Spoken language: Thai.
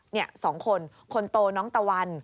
เนี่ยสองคนคนโตน้องตะวัน